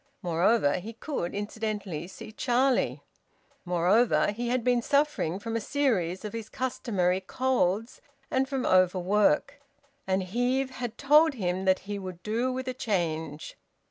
Moreover, he could incidentally see Charlie. Moreover, he had been suffering from a series of his customary colds, and from overwork, and Heve had told him that he `would do with a change.'